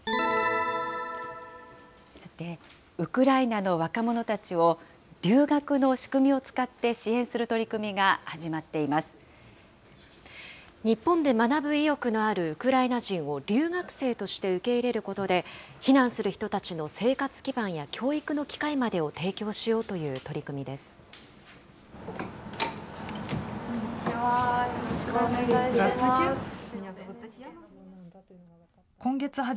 さて、ウクライナの若者たちを留学の仕組みを使って支援する取り組みが日本で学ぶ意欲のあるウクライナ人を留学生として受け入れることで、避難する人たちの生活基盤や教育の機会までを提供しようという取こんにちは。